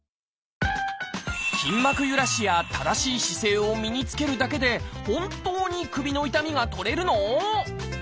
筋膜ゆらしや正しい姿勢を身につけるだけで本当に首の痛みが取れるの？